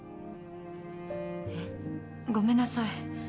えっ？ごめんなさい。